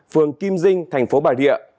phường kim dinh thành phố bà rịa